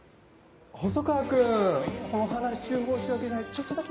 細川君お話し中申し訳ないちょっとだけいい？